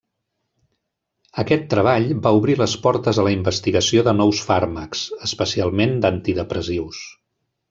Aquest treball va obrir les portes a la investigació de nous fàrmacs, especialment d'antidepressius.